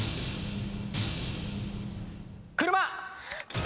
車！